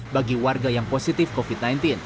bagi warga yang positif covid sembilan belas